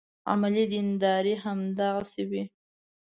عملي دینداري هماغسې وي.